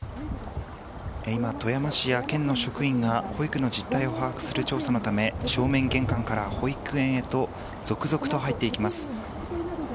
今、富山市や県の職員が保育の実態を把握する調査のため、正面玄関から保育園へと続々と入っていきます。